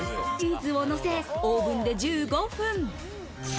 チーズをのせ、オーブンで１５分。